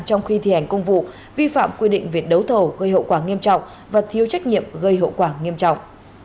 trong khi thi hành công vụ vi phạm quy định về đấu thầu gây hậu quả nghiêm trọng và thiếu trách nhiệm gây hậu quả nghiêm trọng